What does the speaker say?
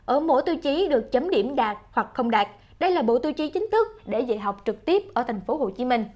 ở mỗi tiêu chí được chấm điểm đạt hoặc không đạt đây là bộ tiêu chí chính thức để dạy học trực tiếp ở tp hcm